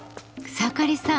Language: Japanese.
草刈さん